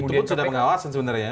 itu sudah pengawasan sebenarnya